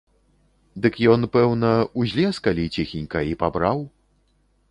Дык ён, пэўна, узлез калі ціхенька і пабраў.